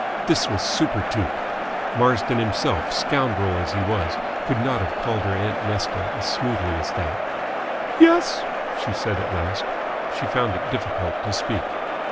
This was superTuke. Marsden himself, scoundrel as he was, could not have called her "Aunt Nesta" as smoothly as that. "Yes?" she said at last. She found it difficult to speak.